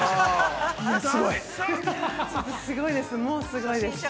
◆すごいです、もうすごいです。